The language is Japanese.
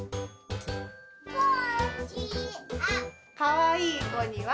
かわいいこには。